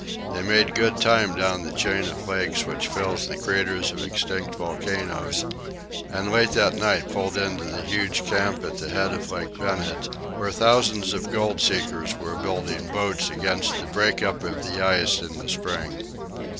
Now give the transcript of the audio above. They made good time down the chain of lakes which fills the craters of extinct volcanoes, and late that night pulled into the huge camp at the head of Lake Bennett, where thousands of goldseekers were building boats against the break up of the ice in the spring.